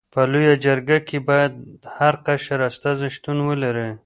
په لويه جرګه کي باید هر قشر استازي شتون ولري.